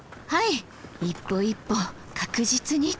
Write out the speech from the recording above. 一歩一歩確実にと。